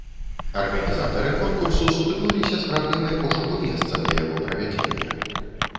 Арганізатары конкурсу сутыкнуліся з праблемай пошуку месца для яго правядзення.